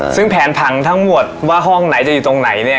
ซึ่งแผนผังทั้งหมดว่าห้องไหนจะอยู่ตรงไหนเนี่ย